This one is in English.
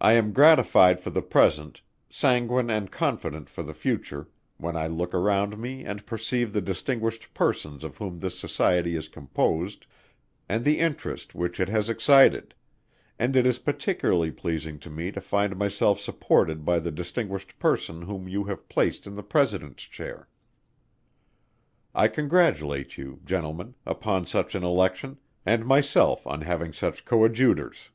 I am gratified for the present, sanguine and confident for the future, when I look around me and perceive the distinguished persons of whom this Society is composed, and the interest which it has excited; and it is particularly pleasing to me to find myself supported by the distinguished person whom you have placed in the President's Chair. I congratulate you, Gentlemen, upon such an election, and myself on having such coadjutures.